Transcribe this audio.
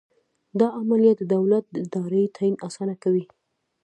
دا عملیه د دولت د دارایۍ تعین اسانه کوي.